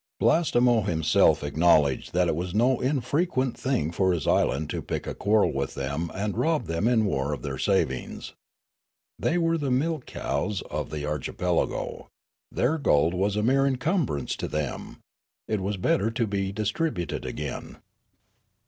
Blastemo himself acknow ledged that it was no infrequent thing for his island to pick a quarrel with them and rob them in war of their savings. They were the milch cows of the archipelago. Their gold was a mere encumbrance to them. It was better to be distributed again.